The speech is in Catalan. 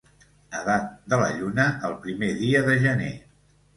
Edat de la lluna el primer dia de gener.